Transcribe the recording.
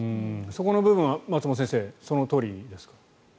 そこの部分は松本先生、そのとおりですか？